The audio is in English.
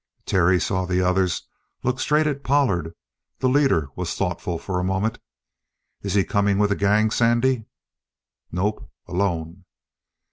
Terry saw the others looking straight at Pollard; the leader was thoughtful for a moment. "Is he coming with a gang, Sandy?" "Nope alone."